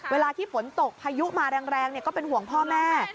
เวลาที่ฝนตกพายุมาแรงก็เป็นห่วงพ่อแม่